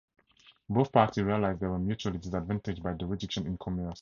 Both parties realised they were mutually disadvantaged by the reduction in commerce.